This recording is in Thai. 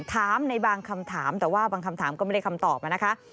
ถามในบางคำถามแต่ว่าบางคำถามก็ไม่ได้คำตอบนะคะ